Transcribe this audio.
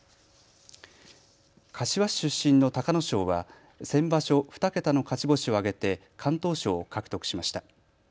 柏市出身の隆の勝は先場所、２桁の勝ち星を挙げて敢闘賞を獲得しました。